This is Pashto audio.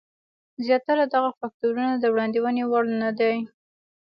زیاتره دغه فکټورونه د وړاندوینې وړ نه دي.